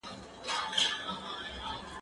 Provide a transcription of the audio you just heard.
زه اجازه لرم چي وخت ونیسم!.